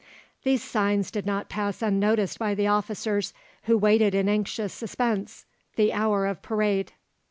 These signs did not pass unnoticed by the officers who awaited in anxious suspense the hour of parade.